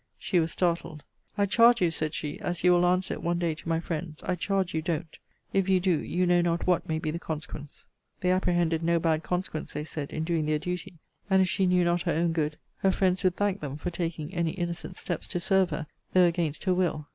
She was startled. I charge you, said she, as you will answer it one day to my friends, I charge you don't. If you do, you know not what may be the consequence. They apprehended no bad consequence, they said, in doing their duty: and if she knew not her own good, her friends would thank them for taking any innocent steps to serve her, though against her will.